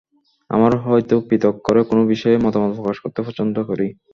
আমরা হয়তো পৃথক করে কোনো বিষয়ে মতামত প্রকাশ করতে পছন্দ করি।